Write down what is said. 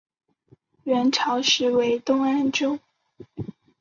元朝时为东安州。